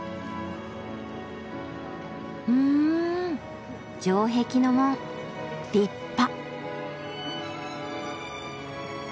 うん城壁の門立派！